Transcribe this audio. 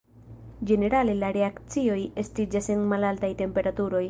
Ĝenerale la reakcioj estiĝas en malaltaj temperaturoj.